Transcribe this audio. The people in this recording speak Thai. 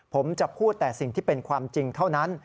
ผมจะพูดแต่สิ่งที่เป็นความจริงเท่านั้น